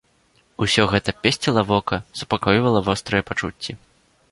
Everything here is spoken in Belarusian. Усё гэта песціла вока, супакойвала вострыя пачуцці.